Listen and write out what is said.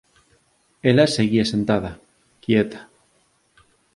Ela seguía sentada, quieta.